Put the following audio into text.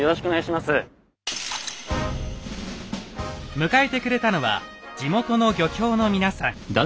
迎えてくれたのは地元の漁協の皆さん。